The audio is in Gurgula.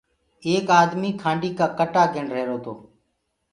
ايڪ آدميٚ کآنڊي ڪآ ڪٽآ گِڻ رهيرو تو۔